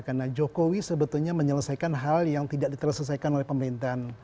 karena jokowi sebetulnya menyelesaikan hal yang tidak diteresesaikan oleh pemerintahan